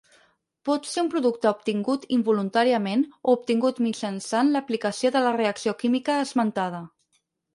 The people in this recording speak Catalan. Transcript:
Pot ser un producte obtingut involuntàriament o obtingut mitjançant l'aplicació de la reacció química esmentada.